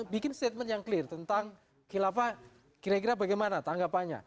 bikin statement yang clear tentang khilafah kira kira bagaimana tanggapannya